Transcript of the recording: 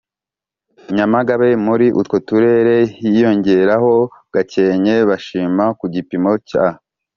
Nyamagabe muri utwo turere hiyongeraho gakenke bashima ku gipimo cya